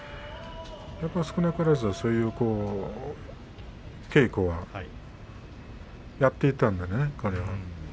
やっぱり少なからず稽古をやっていたんでね彼は。